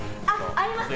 あります。